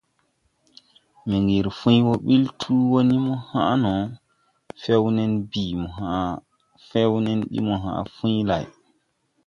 Miŋgiri fwuy wɔ ɓil tuu wɔ ni mo hãʼ no, fɛw nen bimo hãʼ fwuy lay.